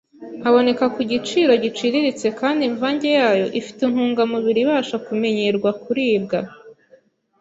aboneka ku giciro giciriritse kandi imvange yayo ifite intungamubiri ibasha kumenyerwa kuribwa,